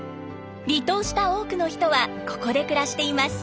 離島した多くの人はここで暮らしています。